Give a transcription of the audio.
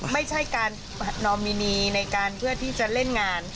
ไม่ใช่การนอมินีในการเพื่อที่จะเล่นงาน